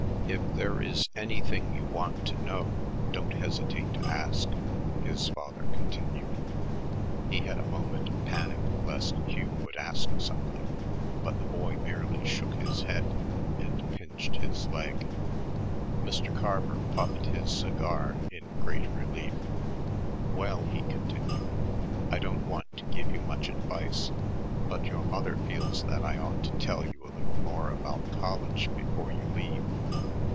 "If there is anything you want to know, don't hesitate to ask," his father continued. He had a moment of panic lest Hugh would ask something, but the boy merely shook his head and pinched his leg. Mr. Carver puffed his cigar in great relief. "Well," he continued, "I don't want to give you much advice, but your mother feels that I ought to tell you a little more about college before you leave.